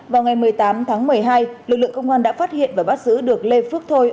vào ngày một mươi tám tháng một mươi hai lực lượng công an đã phát hiện và bắt giữ được lê phước thôi